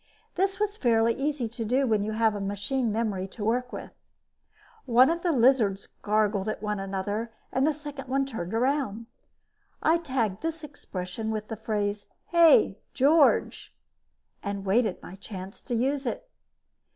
This is fairly easy to do when you have a machine memory to work with. One of the lizards gargled at another one and the second one turned around. I tagged this expression with the phrase, "Hey, George!" and waited my chance to use it.